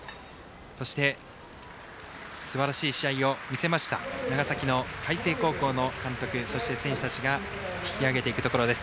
そしてすばらしい試合を見せました長崎の海星高校の監督そして選手たちが引きあげていくところです。